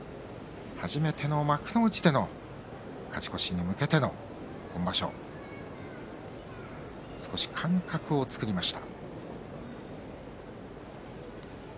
初めての幕内での勝ち越しに向けての今場所少し間隔を作りました。